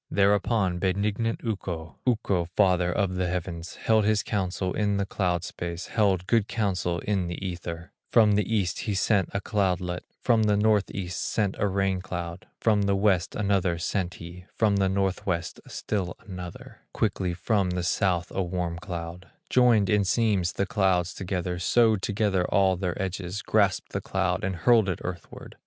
Thereupon benignant Ukko, Ukko, father of the heavens, Held his counsel in the cloud space, Held good counsel in the Ether; From the East, he sent a cloudlet, From the North east, sent a rain cloud, From the West another sent he, From the North west, still another, Quickly from the South a warm cloud; Joined in seams the clouds together, Sewed together all their edges, Grasped the cloud, and hurled it earthward.